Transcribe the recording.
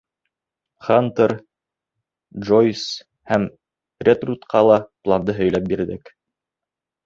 Хантер, Джойс һәм Редрутҡа ла планды һөйләп бирҙек.